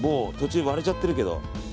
途中割れちゃってるけど。